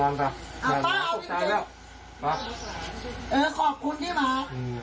อ้าวป่าเอาอินเตอร์เออขอบคุณที่หมา